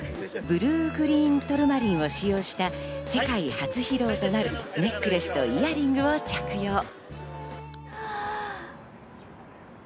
ブルーグリーントルマリンを使用した、世界初披露となるネックレスとイヤリングを着用。